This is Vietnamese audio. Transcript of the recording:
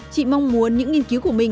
chị mong muốn những nghiên cứu của mình